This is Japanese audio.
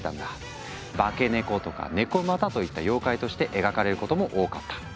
化け猫とか猫又といった妖怪として描かれることも多かった。